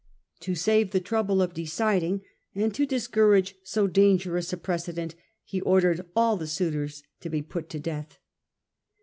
To save the trouble of deciding and to discourage so dangerous a precedent, he ordered all the suitors to be put to death.